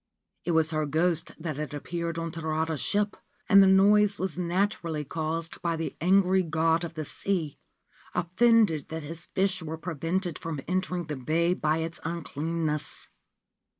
It was her ghost that had appeared on Tarada's ship, and the noise was naturally caused by the angry God of the Sea, offended that his fish were prevented from entering the bay by its un cleanness.